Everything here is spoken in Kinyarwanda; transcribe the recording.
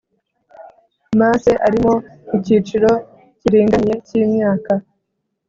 Masse arimo ikiciro kiringaniye k imyaka